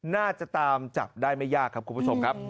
น่าจะตามจับได้ไม่ยากครับคุณผู้ชมครับ